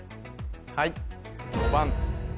はい